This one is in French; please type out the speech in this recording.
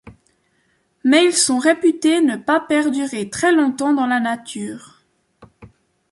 Mais ils sont réputés ne pas perdurer très longtemps dans la nature.